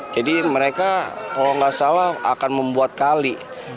jadi mereka kalau tidak salah akan membuat kali